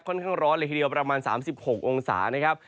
ค่อนข้างร้อนหลายเดียวประมาณ๓๖องศานะครับ